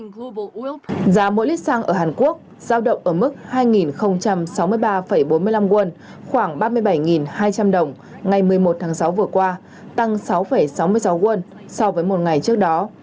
giá mỗi lít xăng ở hàn quốc giao động ở mức hai sáu mươi ba bốn mươi năm won khoảng ba mươi bảy hai trăm linh đồng ngày một mươi một tháng sáu vừa qua tăng sáu sáu mươi sáu won so với một ngày trước đó